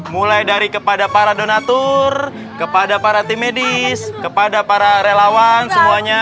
mulai dari kepada para donatur kepada para tim medis kepada para relawan semuanya